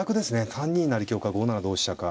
３二成香か５七同飛車か。